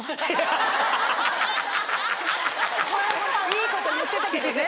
いいこと言ってたけどね。